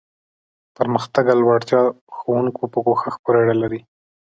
پرمختګ او لوړتیا د ښوونکو په کوښښ پورې اړه لري.